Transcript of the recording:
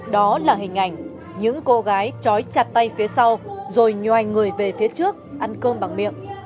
đó là hình ảnh những cô gái trói chặt tay phía sau rồi nhoai người về phía trước ăn cơm bằng miệng